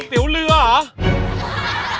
เตี๋ยวเรือเหรอ